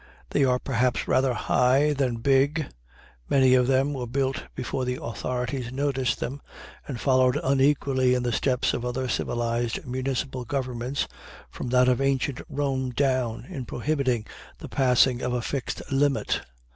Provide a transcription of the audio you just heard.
They are perhaps rather high than big; many of them were built before the authorities noticed them and followed unequally in the steps of other civilized municipal governments, from that of ancient Rome down, in prohibiting the passing of a fixed limit.